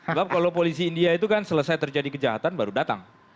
sebab kalau polisi india itu kan selesai terjadi kejahatan baru datang